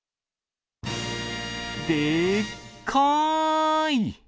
でっかーい！